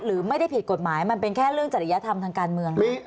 หรือไม่ได้ผิดกฎหมายมันเป็นแค่เรื่องจริยธรรมทางการเมือง